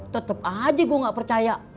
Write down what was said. tetep aja gue gak percaya